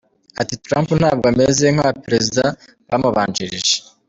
Ati “Trump ntabwo ameze nk’abaperezida bamubanjirije.